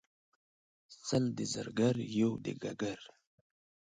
سل د زرګر یو دګګر.